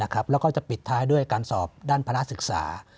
แล้วก็จะปิดท้ายด้วยการสอบด้านพนักศึกษา